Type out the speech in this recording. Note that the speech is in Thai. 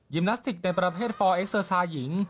ยิมนาสติกในประเภท๔เอ็กเซอร์ซาหญิง